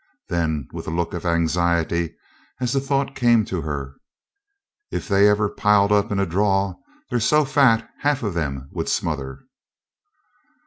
Then, with a look of anxiety as the thought came to her, "If they ever 'piled up' in a draw they're so fat half of them would smother."